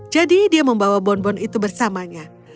jadi dia membawa bonbon itu bersamanya